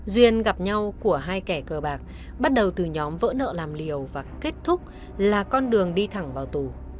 duyên gặp nhau của hai kẻ cờ bạc bắt đầu từ nhóm vỡ nợ làm liều và kết thúc là con đường đi thẳng vào tù